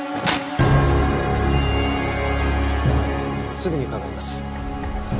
すぐに伺います。